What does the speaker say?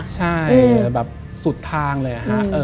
ใช่สุดทางเลยหา